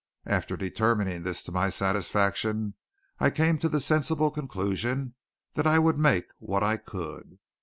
After determining this to my satisfaction I came to the sensible conclusion that I would make what I could.